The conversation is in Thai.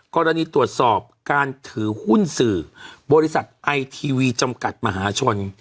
กรณีตรวจสอบการถือหุ้นสื่อบริษัทไอทีวีจำกัดมหาชน